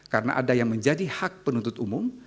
karena ada yang menjadi hak penuntut umum